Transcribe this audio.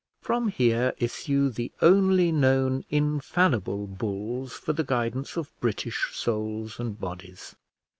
From here issue the only known infallible bulls for the guidance of British souls and bodies.